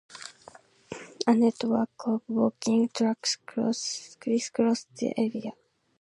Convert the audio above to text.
A network of walking tracks crisscross the area.